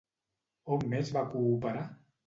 On més va cooperar?